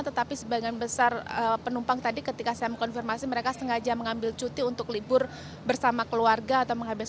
tetapi sebagian besar penumpang tadi ketika saya mengkonfirmasi mereka sengaja mengambil cuti untuk libur bersama keluarga atau menghabiskan